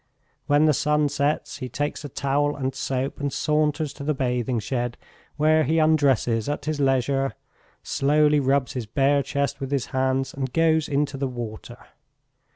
When the sun sets he takes a towel and soap and saunters to the bathing shed, where he undresses at his leisure, slowly rubs his bare chest with his hands, and goes into the water.